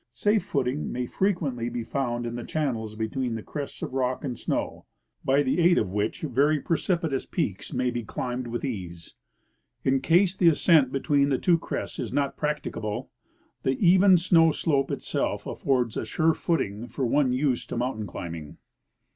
Safe footing may frequently be found in the channels between the crests of rock and snow, by the aid of which 144 I. C. Russell — Expedition to Mount St. Ellas. very precipitous peaks may be climbed with ease. In case the ascent between the two crests is not practicable, the even snow slope itself affords a sure footing for one used to mountain climbing.